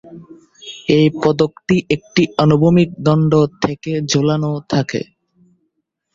এই পদকটি একটি অনুভূমিক দন্ড থেকে ঝোলানো থাকে।